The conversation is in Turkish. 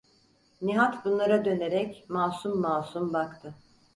Nihat bunlara dönerek masum masum baktı: